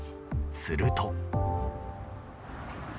すると。